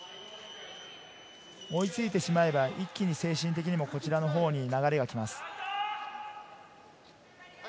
追いついてしまえば一気に精神的にもこちらのほうに流れが来ます。